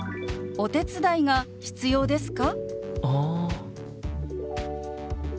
お手伝いが必要ですか？